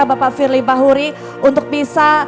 bapak firly bahuri untuk bisa